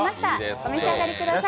お召し上がりください。